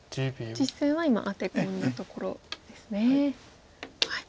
実戦は今アテ込んだところですね。